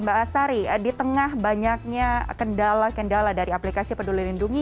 mbak astari di tengah banyaknya kendala kendala dari aplikasi peduli lindungi yang salah satu